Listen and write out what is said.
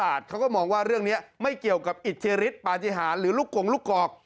วิทยาศาสตร์เขาก็มองว่าเรื่องนี้ในทีไม่เกี่ยวกับอิทธิริสต์ปราชิฮาหรือลูกกวงลูกกอก